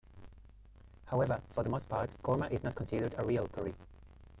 However, for the most part Korma is not considered a "real" curry.